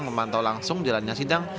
memantau langsung jalannya sidang